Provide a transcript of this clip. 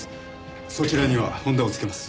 そちらには本田をつけます。